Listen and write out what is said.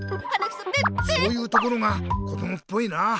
そういうところがこどもっぽいな。